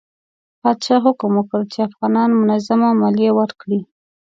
پادشاه حکم وکړ چې افغانان منظمه مالیه ورکړي.